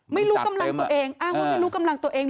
ไม่รู้กำลังตัวเอง